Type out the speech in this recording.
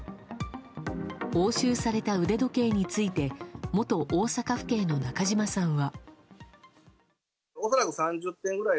押収された腕時計について元大阪府警の中島さんは。